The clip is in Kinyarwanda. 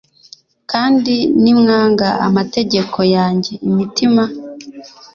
kandi nimwanga amategeko yanjye imitima